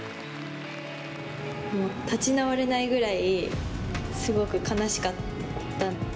もう立ち直れないぐらい、すごく悲しかった。